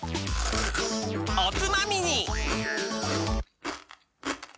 おつまみに！